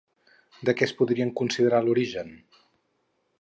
De què es podrien considerar l'origen?